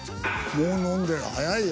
もう飲んでる早いよ。